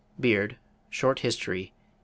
= Beard, Short History, pp.